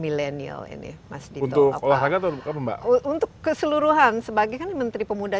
milenial yang milenial ini masjid untuk olahraga untuk untuk keseluruhan sebagai menteri pemuda